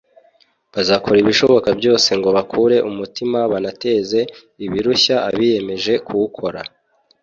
bazakora ibishoboka byose ngo bakure umutima banateze ibirushya abiyemeje kuwukora